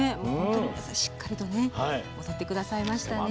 しっかりと踊ってくださいましたね。